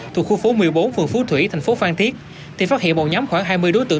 thuộc khu phố một mươi bốn phường phú thủy thành phố phan thiết thì phát hiện một nhóm khoảng hai mươi đối tượng